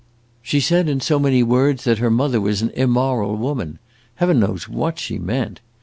She said, in so many words, that her mother was an immoral woman. Heaven knows what she meant.